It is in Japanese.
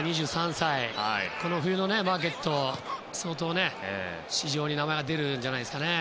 ２３歳この冬のマーケットでは相当、市場に名前は出るんじゃないんでしょうか。